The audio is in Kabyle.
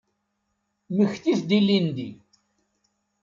Mmektit-d ilindi.